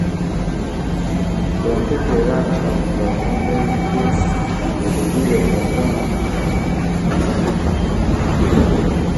Ggwe ntegera agatawunyirwa vvumbe nzije ndukuviire ku ntono, toseguka.